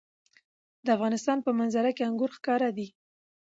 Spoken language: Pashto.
د افغانستان په منظره کې انګور ښکاره ده.